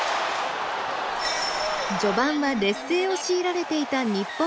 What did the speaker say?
序盤は劣勢を強いられていた日本代表でした。